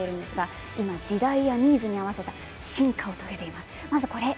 今、時代のニーズに合わせた進化を遂げています。